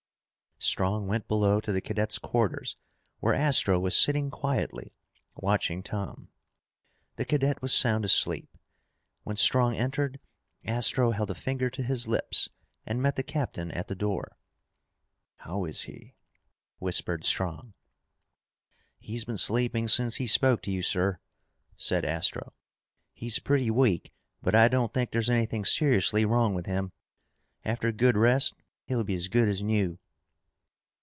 Strong went below to the cadet's quarters where Astro was sitting quietly, watching Tom. The cadet was sound asleep. When Strong entered, Astro held a finger to his lips and met the captain at the door. "How is he?" whispered Strong. "He's been sleeping since he spoke to you, sir," said Astro. "He's pretty weak, but I don't think there's anything seriously wrong with him. After a good rest, he'll be as good as new."